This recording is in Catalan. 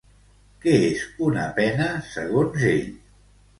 Què és una pena, segons ell?